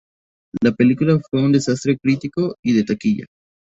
La película fue un desastre crítico y de taquilla.